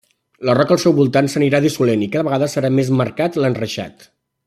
La roca al seu voltant s'anirà dissolent i cada vegada serà més marcat l'enreixat.